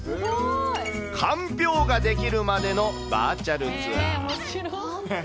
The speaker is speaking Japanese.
かんぴょうが出来るまでのバーチャルツアー。